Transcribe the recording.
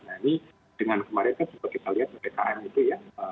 nah ini dengan kemarin kan juga kita lihat ppkm itu ya